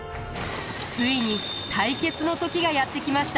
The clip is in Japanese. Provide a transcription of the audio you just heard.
ついに対決の時がやって来ました。